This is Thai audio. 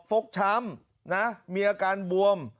ฟกช้ำนะมีอาการบวม